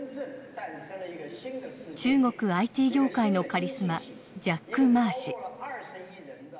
中国ＩＴ業界のカリスマジャック・マー氏。